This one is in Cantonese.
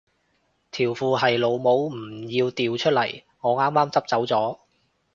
條褲係老母唔要掉出嚟我啱啱執走着